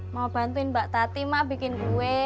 mau bantuin mbak tati mak bikin kue